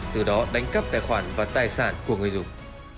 từ đó đánh cắp tài khoản và tài sản của người dùng